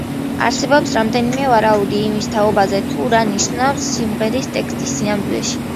არსებობს რამდენიმე ვარაუდი იმის თაობაზე, თუ რა ნიშნავს სიმღერის ტექსტი სინამდვილეში.